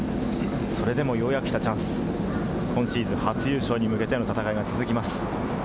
それでもようやく来たチャンス、今シーズン８０勝に向けての戦いが続きます。